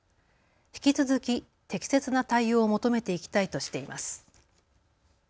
引き続き適切な対応を求めていきたいとしています。